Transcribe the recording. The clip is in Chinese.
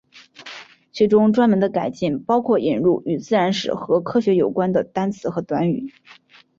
其中专门的改进包括引入与自然史和科学有关的单词和短语。